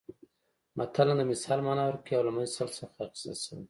متل هم د مثال مانا ورکوي او له مثل څخه اخیستل شوی